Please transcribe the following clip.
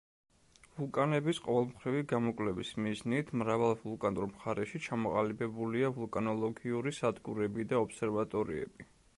ვულკანების ყოველმხრივი გამოკვლევის მიზნით, მრავალ ვულკანურ მხარეში ჩამოყალიბებულია ვულკანოლოგიური სადგურები და ობსერვატორიები.